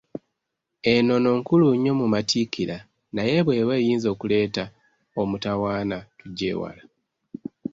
Ennono nkulu nnyo mu Matikkira naye bw'eba eyinza okuleeta omutawaana, tugyewala.